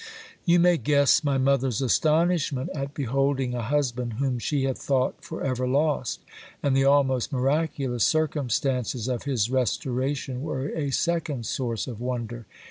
You may guess my mother's astonishment at beholding a husband whom she had thought for ever lost ; and the almost miraculous circumstances of his restoration were a second source of wonder.